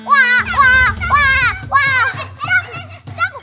pak de ngapain sih